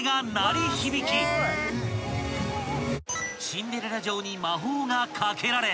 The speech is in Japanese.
［シンデレラ城に魔法がかけられ］